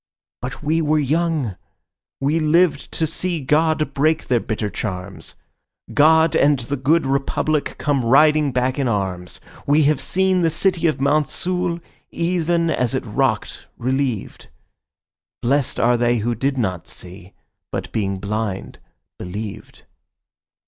But we were young; we lived to see God break their bitter charms. God and the good Republic come riding back in arms: We have seen the City of Mansoul, even as it rocked, relieved— Blessed are they who did not see, but being blind, believed.